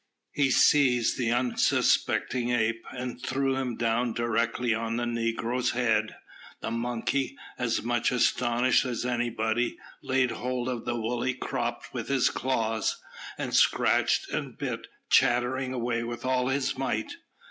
He seized the unsuspecting ape, and threw him down directly on the negro's head. The monkey, as much astonished as anybody, laid hold of the woolly crop with his claws, and scratched and bit, chattering away with all his might.